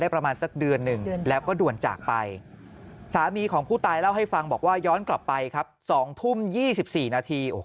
๒๓พฤศจิกายนปี๖๓